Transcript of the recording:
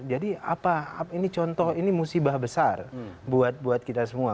jadi apa ini contoh ini musibah besar buat kita semua